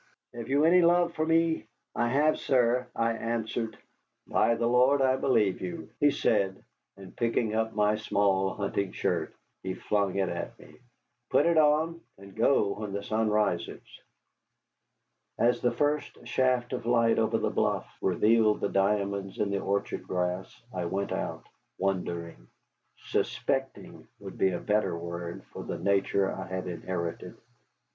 Have you any love for me?" "I have, sir," I answered. "By the Lord, I believe you," he said, and picking up my small hunting shirt, he flung it at me. "Put it on, and go when the sun rises." As the first shaft of light over the bluff revealed the diamonds in the orchard grass I went out, wondering. Suspecting would be a better word for the nature I had inherited.